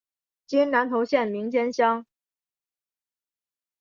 今南投县名间乡。